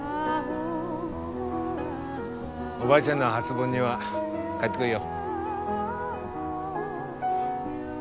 おばあちゃんの初盆には帰ってこいよ。